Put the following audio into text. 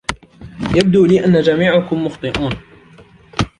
يبدو لي أن جميعكم مخطئون.